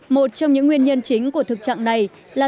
một trong những nguyên nhân chính của thực trạng này là